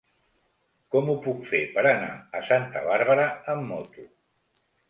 Com ho puc fer per anar a Santa Bàrbara amb moto?